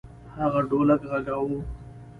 هغه ډولک غږاوه.